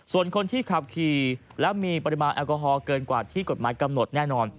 ส่วนคนที่ขับขี่และมีปริมาณแอลกอฮอลเกินกว่าที่กฎหมายกำหนดแน่นอน